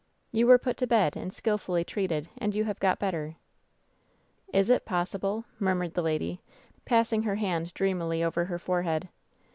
You were put to bed and skilfully treated, and you have got better." "Is — it — ^possible ?" murmured the lady, passing her hajid dreamily over her forehead.